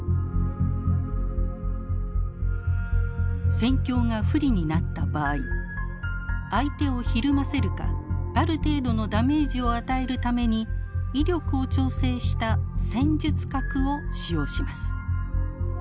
戦況が不利になった場合相手をひるませるかある程度のダメージを与えるために威力を調整した戦術核を使用します。